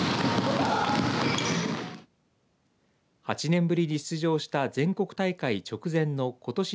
８年ぶりに出場した全国大会直前のことし